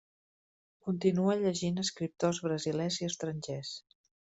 Continua llegint escriptors brasilers i estrangers.